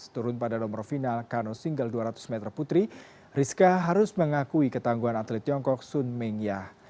turun pada nomor final kano single dua ratus meter putri rizka harus mengakui ketangguhan atlet tiongkok sun mengya